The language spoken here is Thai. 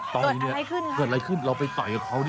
เกิดอะไรขึ้นเราไปต่อยกับเขาดิ